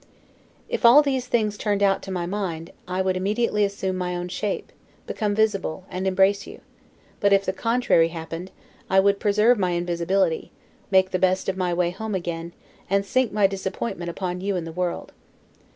If all these things turned out to my mind, I would immediately assume my own shape, become visible, and embrace you: but if the contrary happened, I would preserve my invisibility, make the best of my way home again, and sink my disappointment upon you and the world.